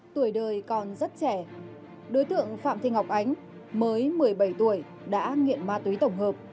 tuổi đời còn rất trẻ đối tượng phạm thị ngọc ánh mới một mươi bảy tuổi đã nghiện ma túy tổng hợp